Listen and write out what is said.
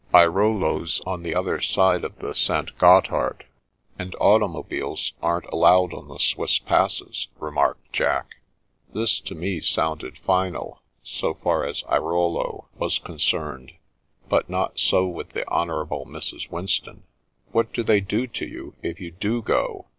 " Airolo's on the other side of the St. Gothard, and automobiles aren't allowed on the Swiss passes," remarked Jack. This, to me, sounded final, so far as Airolo was concerned, but not so with the Honourable Mrs. Winston !" What do they do to you if you do go